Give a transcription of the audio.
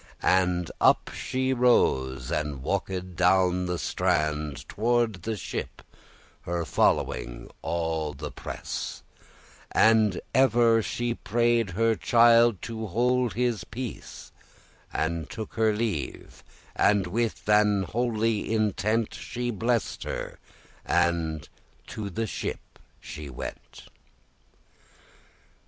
And up she rose, and walked down the strand Toward the ship, her following all the press:* *multitude And ever she pray'd her child to hold his peace, And took her leave, and with an holy intent She blessed her, and to the ship she went.